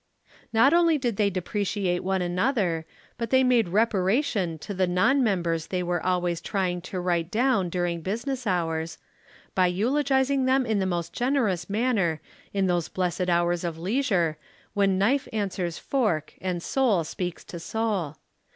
Not only did they depreciate one another, but they made reparation to the non members they were always trying to write down during business hours, by eulogizing them in the most generous manner in those blessed hours of leisure when knife answers fork and soul speaks to soul.